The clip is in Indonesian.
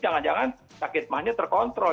jangan jangan sakit mahnya terkontrol